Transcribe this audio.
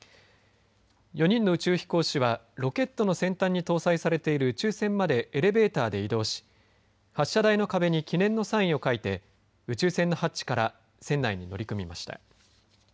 ４人の宇宙飛行士はロケットの先端に搭載されている宇宙船までエレベーターで移動し発射台の壁に記念のサインを書いて宇宙船のハッチから船内に乗り組みました。